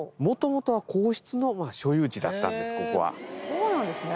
そうなんですね。